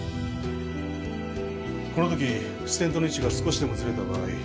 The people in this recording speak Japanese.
このときステントの位置が少しでもずれた場合。